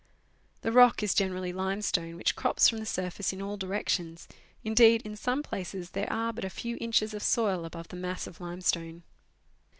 The rock is generally limestone, which crops from the surface in all directions ; indeed, in some places, there are but a few inches of soil above the mass of limestone.